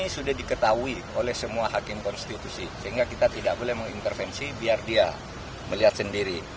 sehingga kita tidak boleh mengintervensi biar dia melihat sendiri